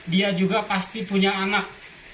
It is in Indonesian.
dia juga pasti punya anak